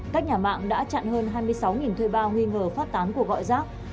các nhà mạng đã chặn hơn hai mươi sáu thuê bao nghi ngờ phát tán của gọi giác